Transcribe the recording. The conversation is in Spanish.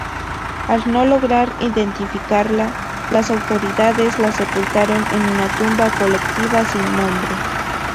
Al no lograr identificarla, las autoridades la sepultaron en una "tumba colectiva sin nombre".